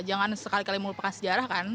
jangan sekali kali melupakan sejarah kan